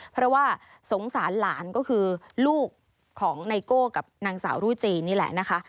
เพราะว่าสงสารหลานก็คือลูกของไนโก้กับนางสาวรูจีนนี่แหละนะคะ